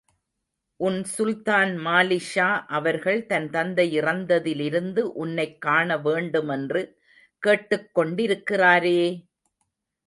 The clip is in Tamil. உன் சுல்தான் மாலிக்ஷா அவர்கள் தன் தந்தை இறந்ததிலிருந்து, உன்னைக் காணவேண்டுமென்று கேட்டுக் கொண்டிருக்கிறாரே!